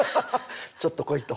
「ちょっと来い」と。